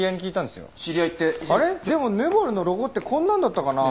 でもヌボルのロゴってこんなのだったかな？